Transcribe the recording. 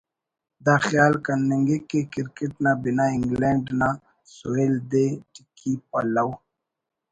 دا خیال کننگک کہ کرکٹ نا بنا انگلینڈ نا سویل دے ٹِکی پلو